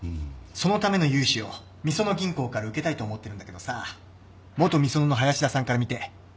そのための融資をみその銀行から受けたいと思ってるんだけどさ元みそのの林田さんから見てざっくりどう？